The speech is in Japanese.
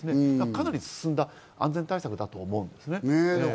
かなり進んだ安全対策だと思います。